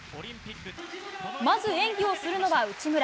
まず演技をするのは内村。